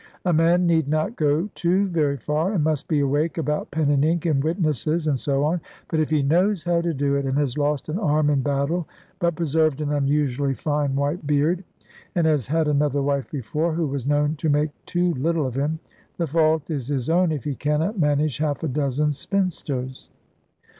A man need not go too very far, and must be awake about pen and ink, and witnesses, and so on; but if he knows how to do it, and has lost an arm in battle, but preserved an unusually fine white beard, and has had another wife before, who was known to make too little of him, the fault is his own if he cannot manage half a dozen spinsters.